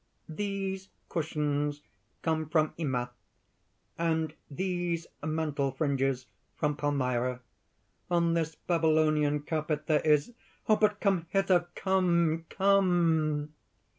These cushions come from Emath, and these mantle fringes from Palmyra. On this Babylonian carpet there is.... But come hither! come! come!"